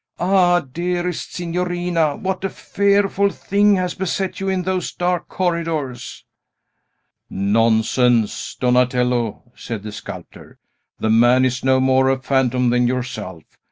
"Ah, dearest signorina, what a fearful thing has beset you in those dark corridors!" "Nonsense, Donatello," said the sculptor. "The man is no more a phantom than yourself.